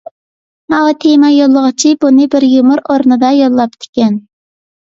ماۋۇ تېما يوللىغۇچى بۇنى بىر يۇمۇر ئورنىدا يوللاپتىكەن.